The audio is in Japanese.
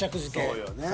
そうよね。